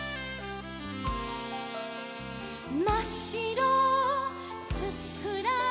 「まっしろふっくら」